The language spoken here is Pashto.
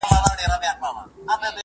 خو دا هم باید ووایو چې